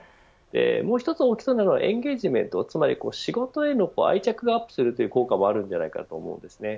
もう１つ起きそうなのはエンゲージメントつまり仕事への愛着がアップするという効果もあると思います。